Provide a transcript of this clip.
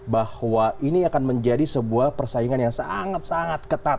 bahwa ini akan menjadi sebuah persaingan yang sangat sangat ketat